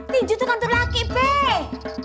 tinju itu kantor laki peh